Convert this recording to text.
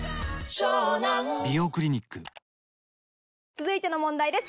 続いての問題です。